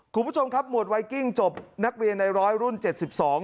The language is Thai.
คุณผู้ชมครับหมวดไวกิ้งจบนักเรียนในร้อยรุ่นเจ็ดสิบสอง